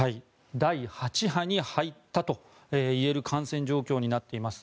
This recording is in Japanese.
第８波に入ったと言える感染状況になっています。